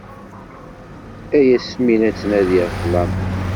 Ay ass mi la ttnadiɣ i ṭṭlam.